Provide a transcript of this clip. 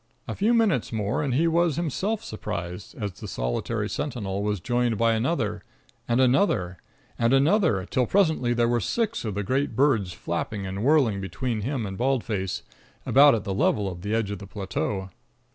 A few moments more, and he was himself surprised, as the solitary sentinel was joined by another, and another, and another, till presently there were six of the great birds flapping and whirling between him and Bald Face, about at the level of the edge of the plateau.